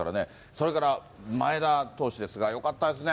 それから前田投手ですが、よかったですね。